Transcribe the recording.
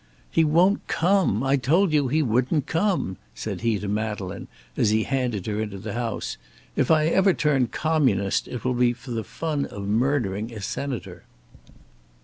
"He won't come! I told you he wouldn't come!" said he to Madeleine, as he handed her into the house. "If I ever turn communist, it will be for the fun of murdering a senator."